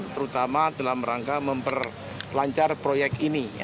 terutama dalam rangka memperlancar proyek ini